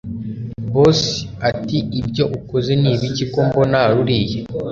Boss atiibyo ukoze ni ibiki ko mbona ruriya